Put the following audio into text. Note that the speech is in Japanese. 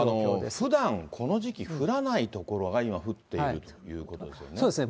ふだんこの時期、降らない所が、今、降っているということですよね。